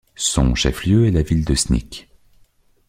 Son chef-lieu est la ville de Sneek.